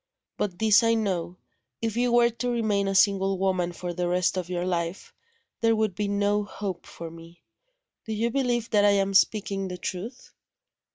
But, this I know: if you were to remain a single woman for the rest of your life, there would be no hope for Me. Do you believe that I am speaking the truth?"